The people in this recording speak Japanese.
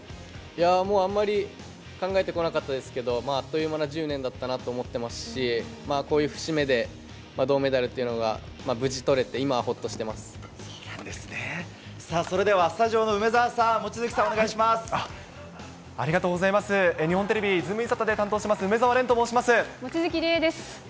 もうあんまり考えてこなかったですけど、あっという間の１０年だったなと思ってますし、こういう節目で銅メダルというのが無事とれて、それではスタジオの梅澤さん、ありがとうございます、日本テレビ、ズームイン！！